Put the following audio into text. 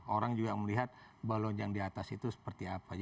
orang juga melihat balon yang di atas itu seperti apa